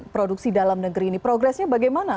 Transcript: produksi dalam negeri ini progresnya bagaimana